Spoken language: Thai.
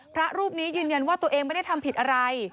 พระรูปนี้ยืนยันว่าตัวเองไม่ได้ทำผิดอะไร